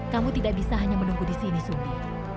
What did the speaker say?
kamu tidak bisa hanya menunggu di sini sundi